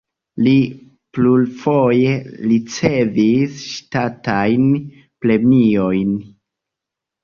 Li plurfoje ricevis ŝtatajn premiojn.